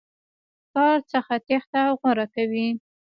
کار څخه تېښته غوره کوي.